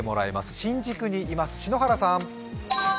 新宿にいます篠原さん。